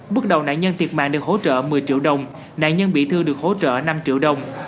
bước đầu nạn nhân tiệc mạng được hỗ trợ một mươi triệu đồng nạn nhân bị thương được hỗ trợ năm triệu đồng